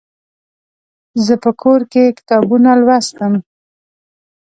زه په کور کې کتابونه لوستم.